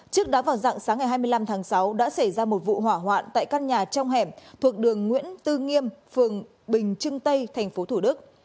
trước đó vào dạng sáng ngày hai mươi năm tháng sáu đã xảy ra một vụ hỏa hoạn tại căn nhà trong hẻm thuộc đường nguyễn tư nghiêm phường bình trưng tây tp thủ đức